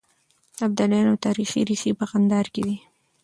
د ابدالیانو تاريخي ريښې په کندهار کې دي.